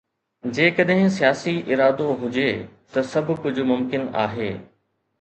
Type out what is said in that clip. جيڪڏهن سياسي ارادو هجي ته سڀ ڪجهه ممڪن آهي.